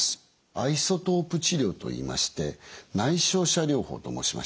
アイソトープ治療といいまして内照射療法と申しましてね